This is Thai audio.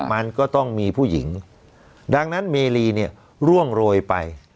มันก็ต้องมีผู้หญิงดังนั้นเมรีเนี่ยร่วงโรยไป